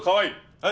はい！